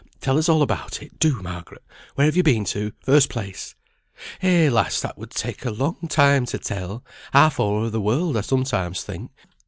Tell us all about it, do, Margaret. Where have you been to, first place?" "Eh, lass, that would take a long time to tell. Half o'er the world I sometimes think.